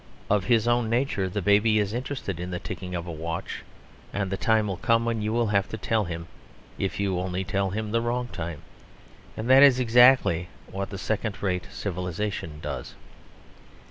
Of his own nature the baby is interested in the ticking of a watch; and the time will come when you will have to tell him, if you only tell him the wrong time. And that is exactly what the second rate civilisation does.